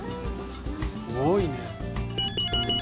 多いね。